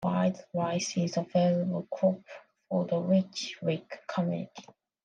Wild Rice is a valuable crop for the Leech Lake community.